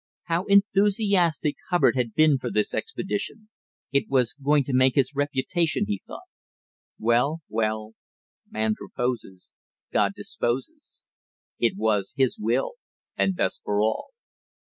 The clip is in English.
How enthusiastic Hubbard had been for this expedition! It was going to make his reputation, he thought. Well, well, man proposes, God disposes; it was His will and best for all.